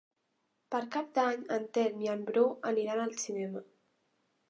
Per Cap d'Any en Telm i en Bru aniran al cinema.